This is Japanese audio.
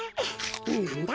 なんだ？